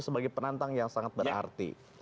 sebagai penantang yang sangat berarti